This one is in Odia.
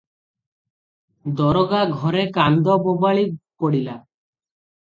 ଦରୋଗା ଘରେ କାନ୍ଦ ବୋବାଳି ପଡ଼ିଲା ।